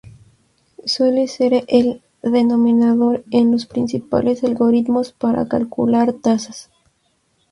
Suele ser el denominador en los principales algoritmos para calcular tasas.